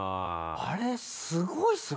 あれすごいっすよね。